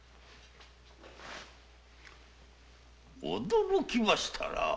驚きましたなぁ。